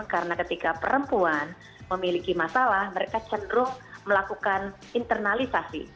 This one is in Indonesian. karena ketika perempuan memiliki masalah mereka cenderung melakukan internalisasi